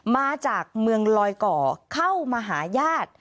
มาจากเมืองลอยก่อเข้ามาหาญาติ